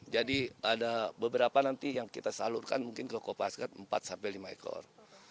jadi ada beberapa nanti yang kita salurkan mungkin ke kopasgat empat sampai lima ekor